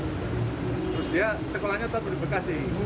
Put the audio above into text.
terus dia sekolahnya tetap di bekasi